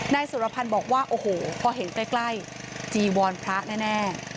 นายสุรพันธ์บอกว่าโอ้โหพอเห็นใกล้จีวรพระแน่